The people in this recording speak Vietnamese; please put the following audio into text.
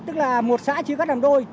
tức là một xã chia cắt làm đôi